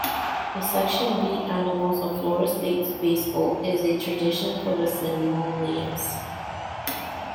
The Section B Animals of Florida State baseball is a tradition for the Seminoles.